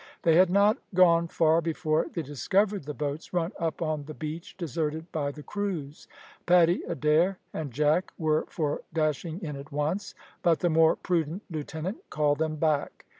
They had not gone far before they discovered the boats run up on the beach deserted by the crews. Paddy Adair and Jack were for dashing in at once; but the more prudent lieutenant called them back.